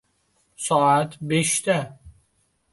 Soat beshda